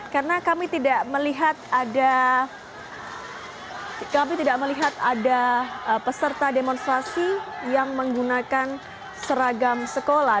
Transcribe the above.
karena kami tidak melihat ada peserta demonstrasi yang menggunakan seragam sekolah